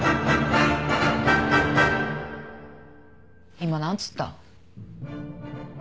今何つった？